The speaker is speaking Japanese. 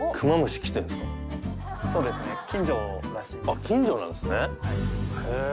あっ近所なんですね。